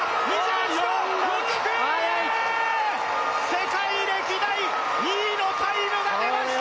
世界歴代２位のタイムが出ました